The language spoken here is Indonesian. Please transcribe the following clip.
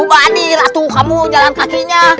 umat adil atuh kamu jalan kakinya